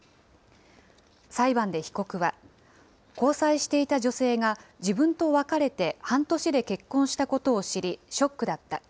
裁判で被告は、交際していた女性が、自分と別れて半年で結婚したことを知り、ショックだった。